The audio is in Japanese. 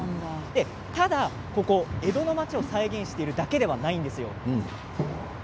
ただ、こちら江戸の町を再現しているだけではないんです。